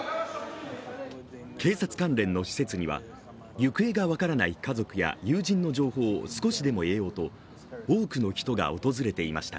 警察関連の施設には行方が分からない家族や友人の情報を少しでも得ようと多くの人が訪れていました。